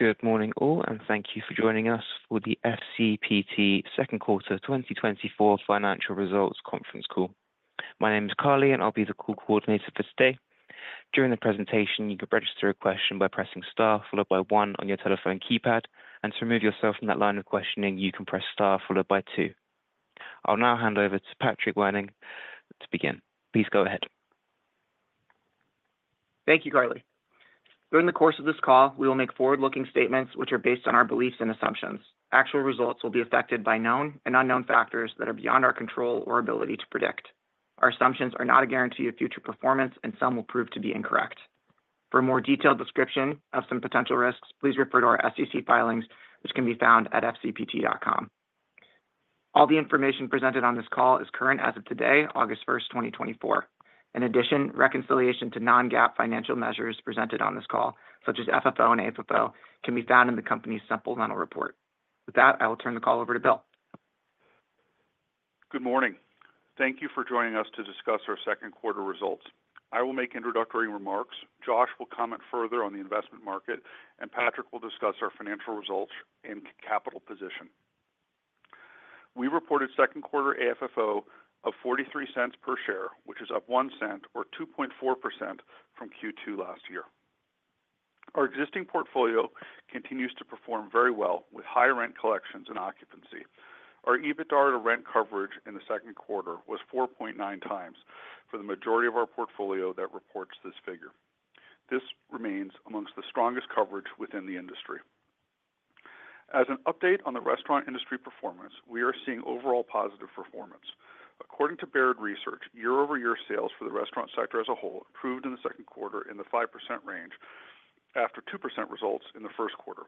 Good morning, all, and thank you for joining us for the FCPT Second Quarter 2024 Financial Results Conference Call. My name is Carley, and I'll be the Call Coordinator for today. During the presentation, you can register a question by pressing Star followed by One on your telephone keypad, and to remove yourself from that line of questioning, you can press Star followed by Two. I'll now hand over to Patrick Wernig to begin. Please go ahead. Thank you, Carley. During the course of this call, we will make forward-looking statements which are based on our beliefs and assumptions. Actual results will be affected by known and unknown factors that are beyond our control or ability to predict. Our assumptions are not a guarantee of future performance, and some will prove to be incorrect. For a more detailed description of some potential risks, please refer to our SEC filings, which can be found at fcpt.com. All the information presented on this call is current as of today, August 1st, 2024. In addition, reconciliation to non-GAAP financial measures presented on this call, such as FFO and AFFO, can be found in the company's Supplemental Report. With that, I will turn the call over to Bill. Good morning. Thank you for joining us to discuss our second quarter results. I will make introductory remarks. Josh will comment further on the investment market, and Patrick will discuss our financial results and capital position. We reported second quarter AFFO of $0.43 per share, which is up one cent, or 2.4%, from Q2 last year. Our existing portfolio continues to perform very well, with high rent collections and occupancy. Our EBITDA to rent coverage in the second quarter was 4.9 times for the majority of our portfolio that reports this figure. This remains among the strongest coverage within the industry. As an update on the restaurant industry performance, we are seeing overall positive performance. According to Baird Research, year-over-year sales for the restaurant sector as a whole improved in the second quarter in the 5% range after 2% results in the first quarter.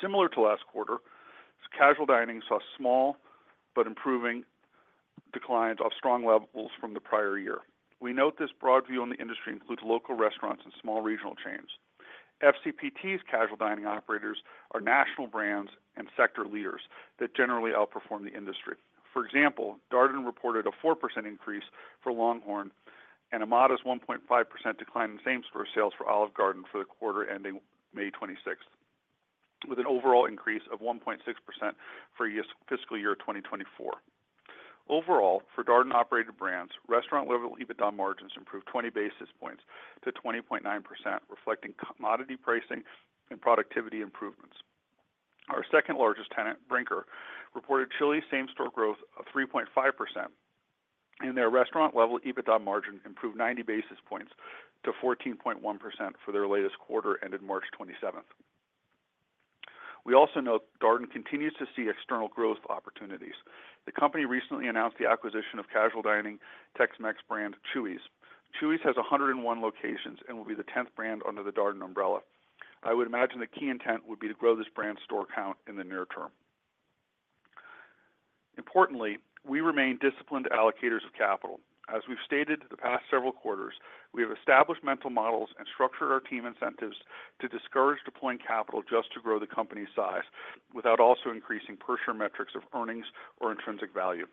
Similar to last quarter, casual dining saw small but improving declines off strong levels from the prior year. We note this broad view on the industry includes local restaurants and small regional chains. FCPT's casual dining operators are national brands and sector leaders that generally outperform the industry. For example, Darden reported a 4% increase for LongHorn and a modest 1.5% decline in same-store sales for Olive Garden for the quarter ending May 26th, with an overall increase of 1.6% for fiscal year 2024. Overall, for Darden-operated brands, restaurant-level EBITDA margins improved 20 basis points to 20.9%, reflecting commodity pricing and productivity improvements. Our second-largest tenant, Brinker, reported Chili's same-store growth of 3.5%, and their restaurant-level EBITDA margin improved 90 basis points to 14.1% for their latest quarter ended March 27th. We also note Darden continues to see external growth opportunities. The company recently announced the acquisition of casual dining Tex-Mex brand Chuy's. Chuy's has 101 locations and will be the 10th brand under the Darden umbrella. I would imagine the key intent would be to grow this brand's store count in the near term. Importantly, we remain disciplined allocators of capital. As we've stated the past several quarters, we have established mental models and structured our team incentives to discourage deploying capital just to grow the company's size without also increasing per-share metrics of earnings or intrinsic value.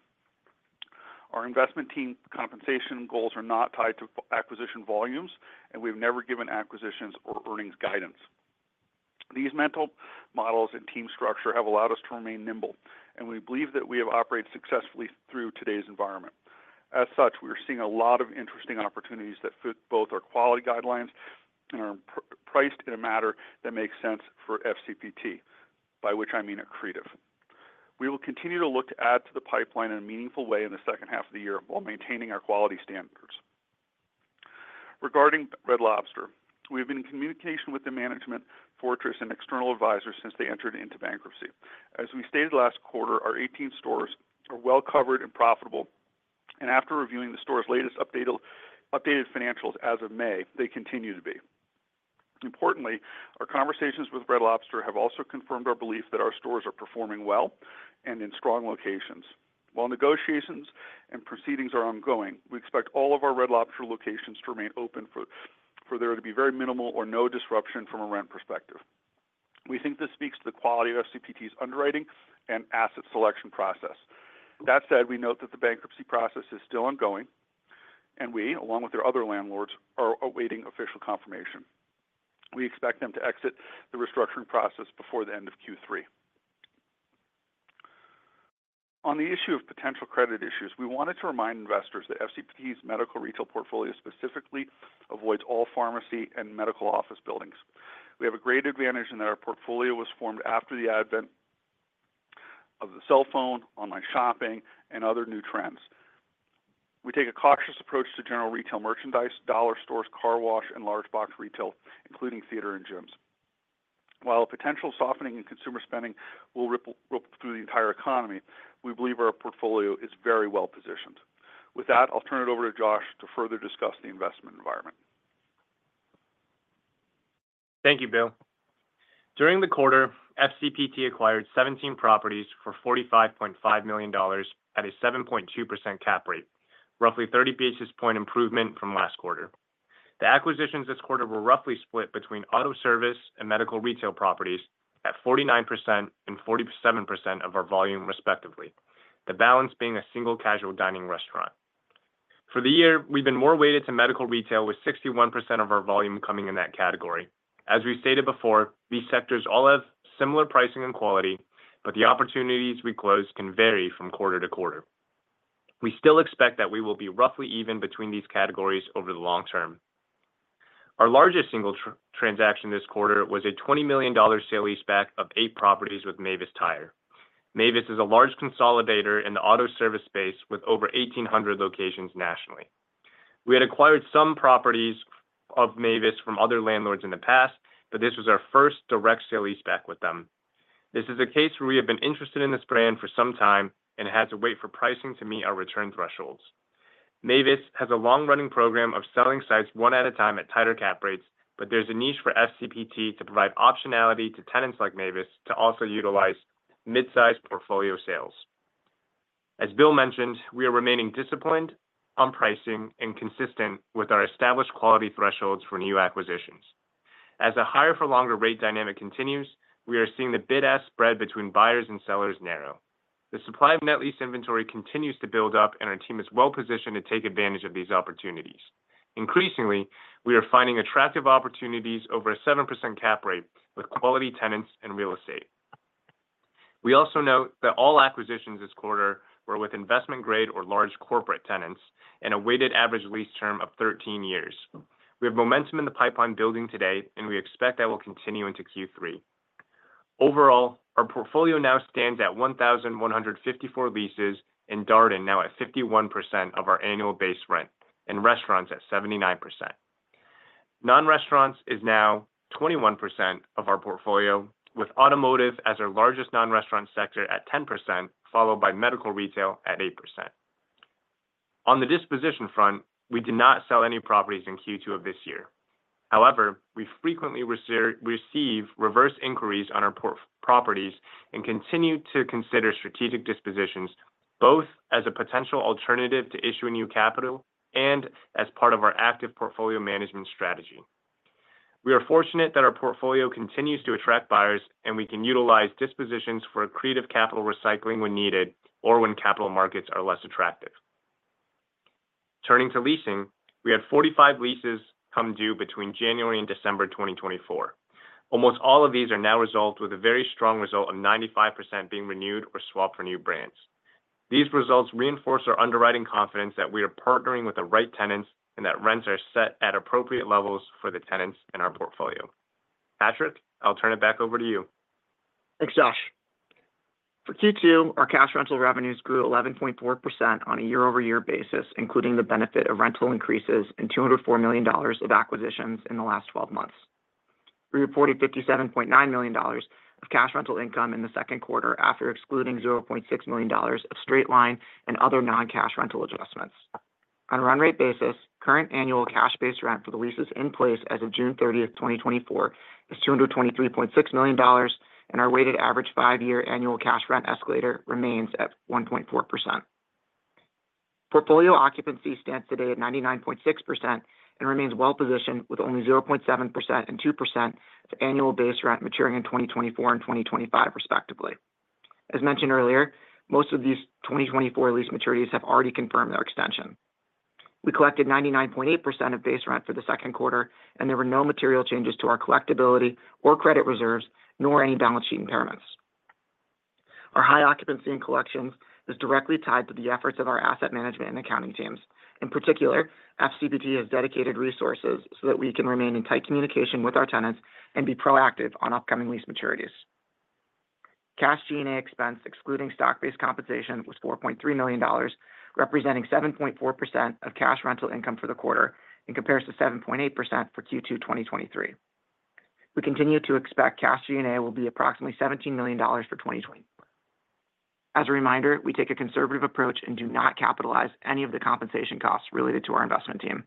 Our investment team compensation goals are not tied to acquisition volumes, and we've never given acquisitions or earnings guidance. These mental models and team structure have allowed us to remain nimble, and we believe that we have operated successfully through today's environment. As such, we are seeing a lot of interesting opportunities that fit both our quality guidelines and are priced in a manner that makes sense for FCPT, by which I mean accretive. We will continue to look to add to the pipeline in a meaningful way in the second half of the year while maintaining our quality standards. Regarding Red Lobster, we have been in communication with the management, Fortress, and external advisors since they entered into bankruptcy. As we stated last quarter, our 18 stores are well covered and profitable, and after reviewing the store's latest updated financials as of May, they continue to be. Importantly, our conversations with Red Lobster have also confirmed our belief that our stores are performing well and in strong locations. While negotiations and proceedings are ongoing, we expect all of our Red Lobster locations to remain open for there to be very minimal or no disruption from a rent perspective. We think this speaks to the quality of FCPT's underwriting and asset selection process. That said, we note that the bankruptcy process is still ongoing, and we, along with their other landlords, are awaiting official confirmation. We expect them to exit the restructuring process before the end of Q3. On the issue of potential credit issues, we wanted to remind investors that FCPT's medical retail portfolio specifically avoids all pharmacy and medical office buildings. We have a great advantage in that our portfolio was formed after the advent of the cell phone, online shopping, and other new trends. We take a cautious approach to general retail merchandise, dollar stores, car wash, and large-box retail, including theater and gyms. While a potential softening in consumer spending will ripple through the entire economy, we believe our portfolio is very well positioned. With that, I'll turn it over to Josh to further discuss the investment environment. Thank you, Bill. During the quarter, FCPT acquired 17 properties for $45.5 million at a 7.2% cap rate, roughly 30 basis point improvement from last quarter. The acquisitions this quarter were roughly split between auto service and medical retail properties at 49% and 47% of our volume, respectively, the balance being a single casual dining restaurant. For the year, we've been more weighted to medical retail with 61% of our volume coming in that category. As we stated before, these sectors all have similar pricing and quality, but the opportunities we close can vary from quarter to quarter. We still expect that we will be roughly even between these categories over the long term. Our largest single transaction this quarter was a $20 million sale-leaseback of eight properties with Mavis Tire. Mavis is a large consolidator in the auto service space with over 1,800 locations nationally. We had acquired some properties of Mavis from other landlords in the past, but this was our first direct sale-leaseback with them. This is a case where we have been interested in this brand for some time and had to wait for pricing to meet our return thresholds. Mavis has a long-running program of selling sites one at a time at tighter cap rates, but there's a niche for FCPT to provide optionality to tenants like Mavis to also utilize mid-size portfolio sales. As Bill mentioned, we are remaining disciplined on pricing and consistent with our established quality thresholds for new acquisitions. As a higher-for-longer rate dynamic continues, we are seeing the bid-ask spread between buyers and sellers narrow. The supply of net lease inventory continues to build up, and our team is well positioned to take advantage of these opportunities. Increasingly, we are finding attractive opportunities over a 7% cap rate with quality tenants and real estate. We also note that all acquisitions this quarter were with investment-grade or large corporate tenants and a weighted average lease term of 13 years. We have momentum in the pipeline building today, and we expect that will continue into Q3. Overall, our portfolio now stands at 1,154 leases and Darden now at 51% of our annual base rent and restaurants at 79%. Non-restaurants is now 21% of our portfolio, with automotive as our largest non-restaurant sector at 10%, followed by medical retail at 8%. On the disposition front, we did not sell any properties in Q2 of this year. However, we frequently receive reverse inquiries on our properties and continue to consider strategic dispositions, both as a potential alternative to issuing new capital and as part of our active portfolio management strategy. We are fortunate that our portfolio continues to attract buyers, and we can utilize dispositions for accretive capital recycling when needed or when capital markets are less attractive. Turning to leasing, we had 45 leases come due between January and December 2024. Almost all of these are now resolved with a very strong result of 95% being renewed or swapped for new brands. These results reinforce our underwriting confidence that we are partnering with the right tenants and that rents are set at appropriate levels for the tenants in our portfolio. Patrick, I'll turn it back over to you. Thanks, Josh. For Q2, our cash rental revenues grew 11.4% on a year-over-year basis, including the benefit of rental increases and $204 million of acquisitions in the last 12 months. We reported $57.9 million of cash rental income in the second quarter after excluding $0.6 million of straight-line and other non-cash rental adjustments. On a run-rate basis, current annual cash-based rent for the leases in place as of June 30th, 2024, is $223.6 million, and our weighted average five-year annual cash rent escalator remains at 1.4%. Portfolio occupancy stands today at 99.6% and remains well positioned with only 0.7% and 2% of annual base rent maturing in 2024 and 2025, respectively. As mentioned earlier, most of these 2024 lease maturities have already confirmed their extension. We collected 99.8% of base rent for the second quarter, and there were no material changes to our collectibility or credit reserves, nor any balance sheet impairments. Our high occupancy in collections is directly tied to the efforts of our asset management and accounting teams. In particular, FCPT has dedicated resources so that we can remain in tight communication with our tenants and be proactive on upcoming lease maturities. Cash G&A expense, excluding stock-based compensation, was $4.3 million, representing 7.4% of cash rental income for the quarter in comparison to 7.8% for Q2 2023. We continue to expect cash G&A will be approximately $17 million for 2024. As a reminder, we take a conservative approach and do not capitalize any of the compensation costs related to our investment team.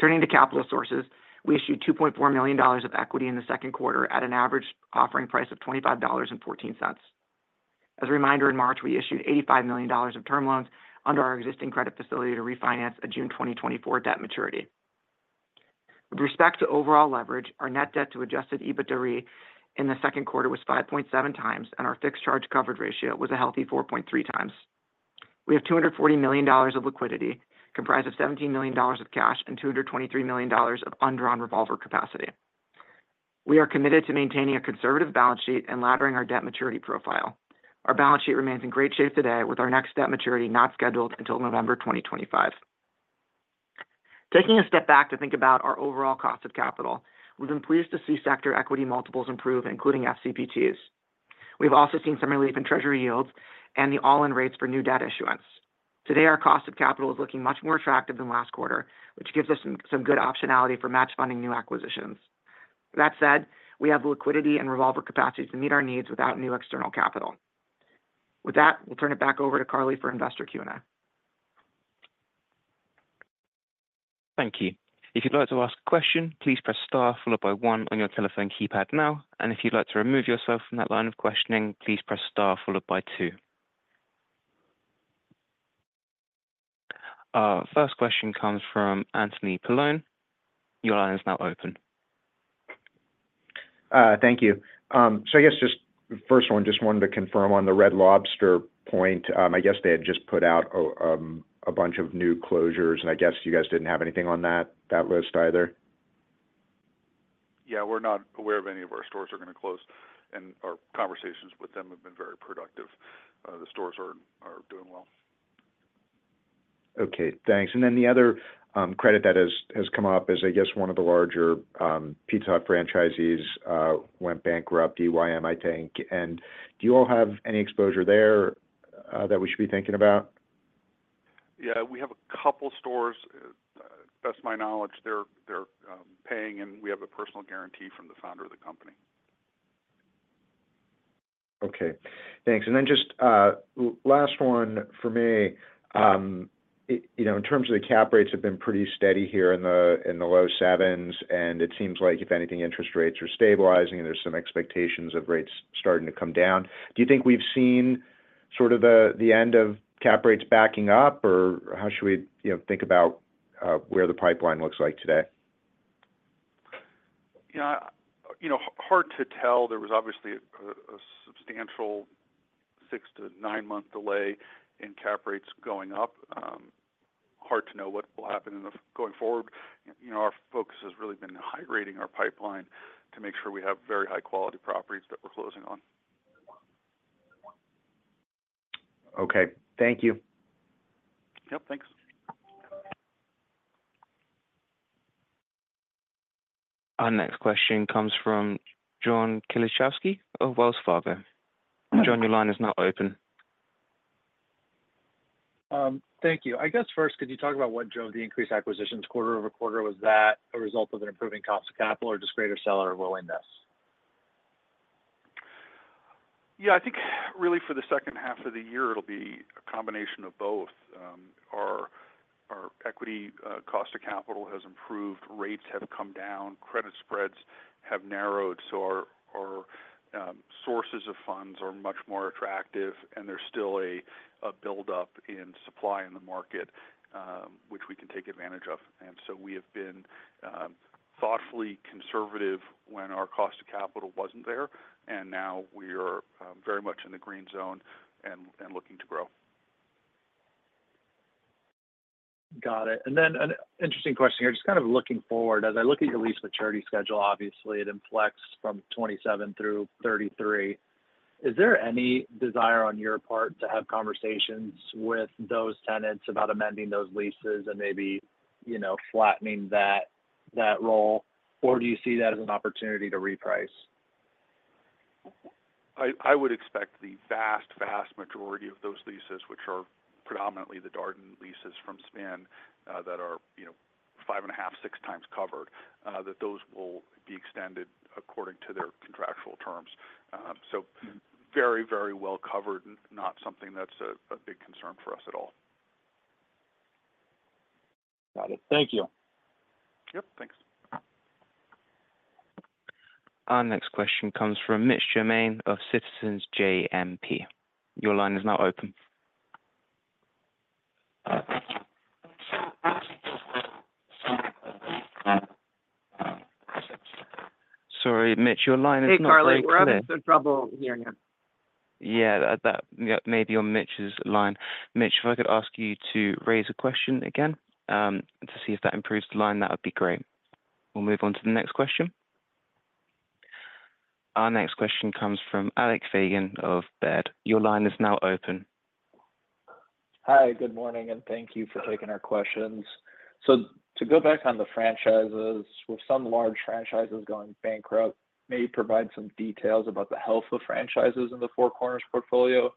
Turning to capital sources, we issued $2.4 million of equity in the second quarter at an average offering price of $25.14. As a reminder, in March, we issued $85 million of term loans under our existing credit facility to refinance a June 2024 debt maturity. With respect to overall leverage, our net debt to adjusted EBITDA in the second quarter was 5.7 times, and our fixed charge coverage ratio was a healthy 4.3 times. We have $240 million of liquidity, comprised of $17 million of cash and $223 million of undrawn revolver capacity. We are committed to maintaining a conservative balance sheet and laddering our debt maturity profile. Our balance sheet remains in great shape today, with our next debt maturity not scheduled until November 2025. Taking a step back to think about our overall cost of capital, we've been pleased to see sector equity multiples improve, including FCPT's. We've also seen some relief in treasury yields and the all-in rates for new debt issuance. Today, our cost of capital is looking much more attractive than last quarter, which gives us some good optionality for match-funding new acquisitions. That said, we have the liquidity and revolver capacity to meet our needs without new external capital. With that, we'll turn it back over to Carley for investor Q&A. Thank you. If you'd like to ask a question, please press star followed by one on your telephone keypad now. If you'd like to remove yourself from that line of questioning, please press star followed by two. First question comes from Anthony Paolone. Your line is now open. Thank you. So I guess just first one, just wanted to confirm on the Red Lobster point. I guess they had just put out a bunch of new closures, and I guess you guys didn't have anything on that list either. Yeah, we're not aware of any of our stores are going to close, and our conversations with them have been very productive. The stores are doing well. Okay, thanks. And then the other credit that has come up is, I guess, one of the larger Pizza Hut franchisees went bankrupt, EYM, I think. And do you all have any exposure there that we should be thinking about? Yeah, we have a couple of stores. Best of my knowledge, they're paying, and we have a personal guarantee from the founder of the company. Okay, thanks. And then just last one for me. In terms of the cap rates, have been pretty steady here in the low sevens, and it seems like, if anything, interest rates are stabilizing, and there's some expectations of rates starting to come down. Do you think we've seen sort of the end of cap rates backing up, or how should we think about where the pipeline looks like today? Yeah, hard to tell. There was obviously a substantial 6-9 month delay in cap rates going up. Hard to know what will happen going forward. Our focus has really been high-grading our pipeline to make sure we have very high-quality properties that we're closing on. Okay, thank you. Yep, thanks. Our next question comes from John Kilichowski of Wells Fargo. John, your line is now open. Thank you. I guess first, could you talk about what drove the increased acquisitions quarter-over-quarter? Was that a result of an improving cost of capital or just greater seller willingness? Yeah, I think really for the second half of the year, it'll be a combination of both. Our equity cost of capital has improved, rates have come down, credit spreads have narrowed, so our sources of funds are much more attractive, and there's still a buildup in supply in the market, which we can take advantage of. And so we have been thoughtfully conservative when our cost of capital wasn't there, and now we are very much in the green zone and looking to grow. Got it. And then an interesting question here, just kind of looking forward, as I look at your lease maturity schedule, obviously it inflects from 2027-2033. Is there any desire on your part to have conversations with those tenants about amending those leases and maybe flattening that role? Or do you see that as an opportunity to reprice? I would expect the vast, vast majority of those leases, which are predominantly the Darden leases from Spin that are 5.5-6 times covered, that those will be extended according to their contractual terms. So very, very well covered, not something that's a big concern for us at all. Got it. Thank you. Yep, thanks. Our next question comes from Mitch Germain of Citizens JMP. Your line is now open. Sorry, Mitch, your line is not quite clear. Hey, Carley, we're having some trouble hearing you. Yeah, maybe on Mitch's line. Mitch, if I could ask you to raise a question again to see if that improves the line, that would be great. We'll move on to the next question. Our next question comes from Alec Fagan of Baird. Your line is now open. Hi, good morning, and thank you for taking our questions. So to go back on the franchises, with some large franchises going bankrupt, may you provide some details about the health of franchises in the Four Corners portfolio,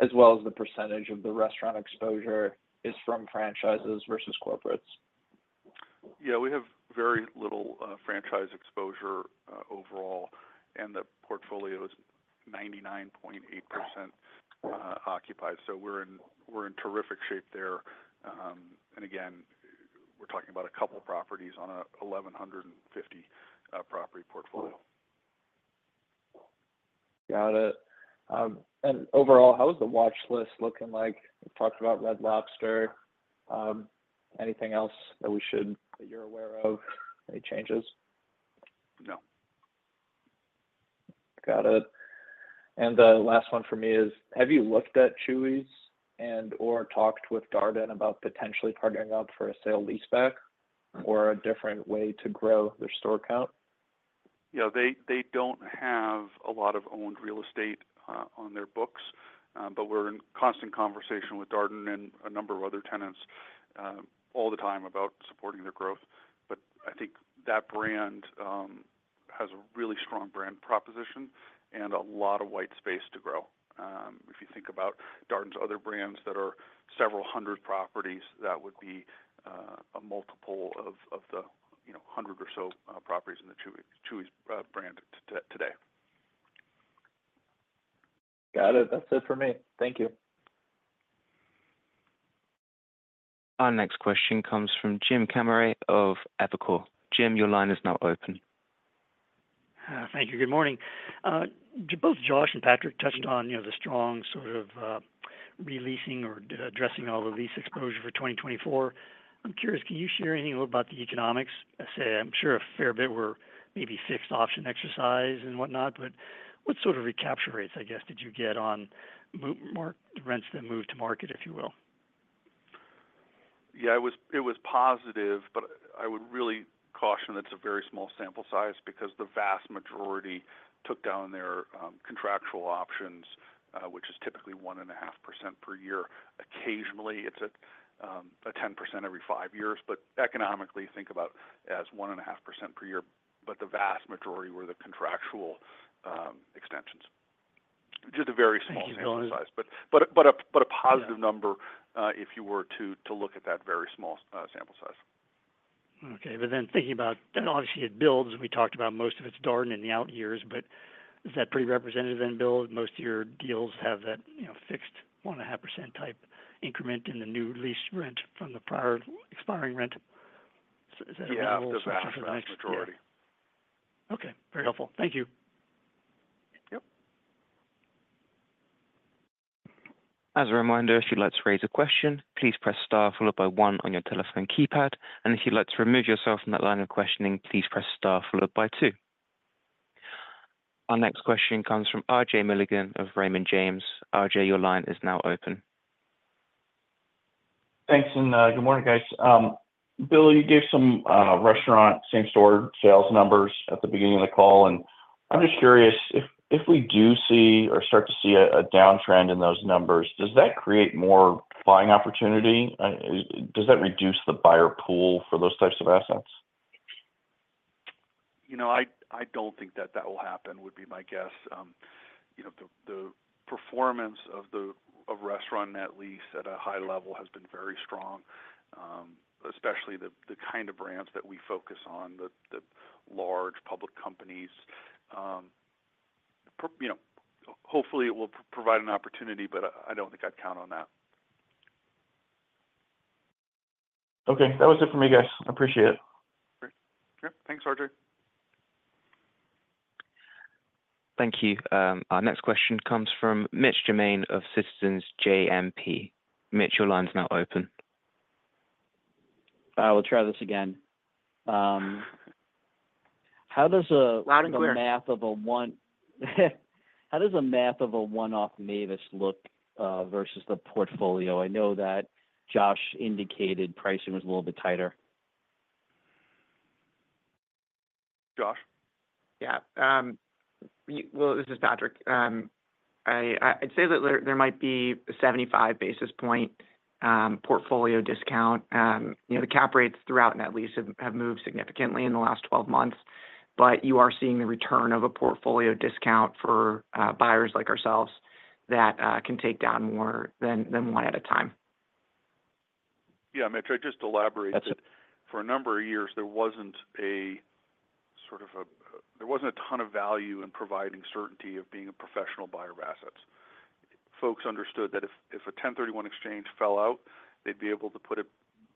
as well as the percentage of the restaurant exposure is from franchises versus corporates? Yeah, we have very little franchise exposure overall, and the portfolio is 99.8% occupied. So we're in terrific shape there. And again, we're talking about a couple of properties on a 1,150 property portfolio. Got it. And overall, how is the watch list looking like? We've talked about Red Lobster. Anything else that we should that you're aware of? Any changes? No. Got it. And the last one for me is, have you looked at Chuy's and/or talked with Darden about potentially partnering up for a sale leaseback or a different way to grow their store count? Yeah, they don't have a lot of owned real estate on their books, but we're in constant conversation with Darden and a number of other tenants all the time about supporting their growth. But I think that brand has a really strong brand proposition and a lot of white space to grow. If you think about Darden's other brands that are several hundred properties, that would be a multiple of the hundred or so properties in the Chuy's brand today. Got it. That's it for me. Thank you. Our next question comes from Jim Kammert of Epicor. Jim, your line is now open. Thank you. Good morning. Both Josh and Patrick touched on the strong sort of releasing or addressing all the lease exposure for 2024. I'm curious, can you share anything about the economics? I'm sure a fair bit were maybe fixed option exercise and whatnot, but what sort of recapture rates, I guess, did you get on rents that moved to market, if you will? Yeah, it was positive, but I would really caution that it's a very small sample size because the vast majority took down their contractual options, which is typically 1.5% per year. Occasionally, it's a 10% every five years, but economically, think about it as 1.5% per year, but the vast majority were the contractual extensions. Just a very small sample size, but a positive number if you were to look at that very small sample size. Okay, but then thinking about, obviously, it builds. We talked about most of it's Darden in the out years, but is that pretty representative then? Most of your deals have that fixed 1.5% type increment in the new lease rent from the prior expiring rent. Is that a good answer for the next question? Yeah, it does match the vast majority. Okay, very helpful. Thank you. As a reminder, if you'd like to raise a question, please press star followed by one on your telephone keypad, and if you'd like to remove yourself from that line of questioning, please press star followed by two. Our next question comes from RJ Milligan of Raymond James. RJ, your line is now open. Thanks, and good morning, guys. Bill, you gave some restaurant same-store sales numbers at the beginning of the call, and I'm just curious, if we do see or start to see a downtrend in those numbers, does that create more buying opportunity? Does that reduce the buyer pool for those types of assets? I don't think that that will happen, would be my guess. The performance of the restaurant net lease at a high level has been very strong, especially the kind of brands that we focus on, the large public companies. Hopefully, it will provide an opportunity, but I don't think I'd count on that. Okay, that was it for me, guys. I appreciate it. Great. Yep, thanks, RJ. Thank you. Our next question comes from Mitch Germain of Citizens JMP. Mitch, your line's now open. I will try this again. How does a math of a one-off Mavis look versus the portfolio? I know that Josh indicated pricing was a little bit tighter. Josh? Yeah. Well, this is Patrick. I'd say that there might be a 75 basis point portfolio discount. The cap rates throughout net lease have moved significantly in the last 12 months, but you are seeing the return of a portfolio discount for buyers like ourselves that can take down more than one at a time. Yeah, Mitch, I'd just elaborate. For a number of years, there wasn't a ton of value in providing certainty of being a professional buyer of assets. Folks understood that if a 1031 exchange fell out, they'd be able to put it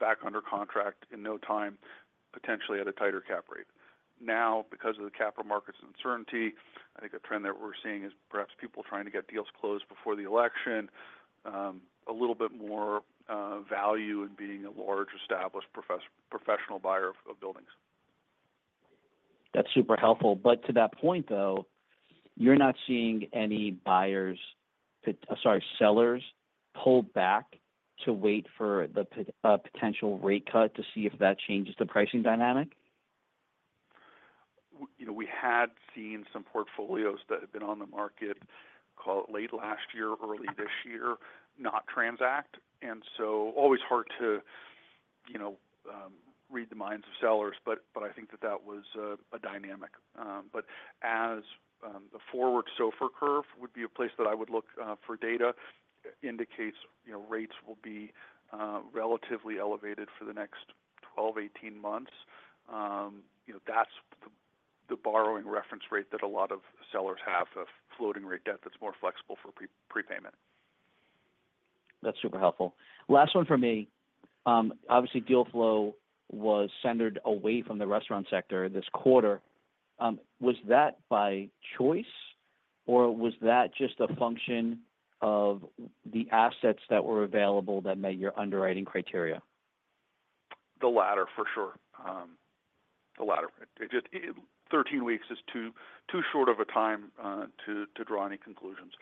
back under contract in no time, potentially at a tighter cap rate. Now, because of the capital markets uncertainty, I think a trend that we're seeing is perhaps people trying to get deals closed before the election, a little bit more value in being a large, established professional buyer of buildings. That's super helpful. But to that point, though, you're not seeing any buyers sorry, sellers pull back to wait for the potential rate cut to see if that changes the pricing dynamic? We had seen some portfolios that had been on the market, call it late last year, early this year, not transact. And so always hard to read the minds of sellers, but I think that that was a dynamic. But as the forward SOFR curve would be a place that I would look for data indicates rates will be relatively elevated for the next 12-18 months. That's the borrowing reference rate that a lot of sellers have of floating rate debt that's more flexible for prepayment. That's super helpful. Last one for me. Obviously, deal flow was centered away from the restaurant sector this quarter. Was that by choice, or was that just a function of the assets that were available that met your underwriting criteria? The latter, for sure. The latter. 13 weeks is too short of a time to draw any conclusions.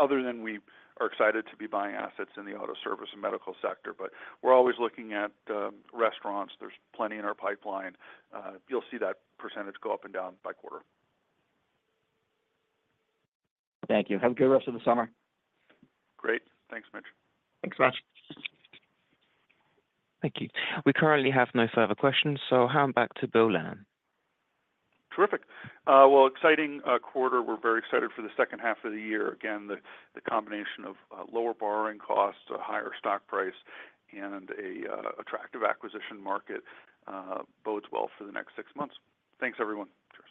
Other than we are excited to be buying assets in the auto service and medical sector, but we're always looking at restaurants. There's plenty in our pipeline. You'll see that percentage go up and down by quarter. Thank you. Have a good rest of the summer. Great. Thanks, Mitch. Thanks so much. Thank you. We currently have no further questions, so hand back to Bill Lenehan. Terrific. Well, exciting quarter. We're very excited for the second half of the year. Again, the combination of lower borrowing costs, a higher stock price, and an attractive acquisition market bodes well for the next six months. Thanks, everyone.